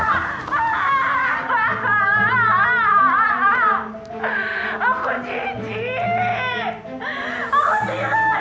aku mu kan dia swo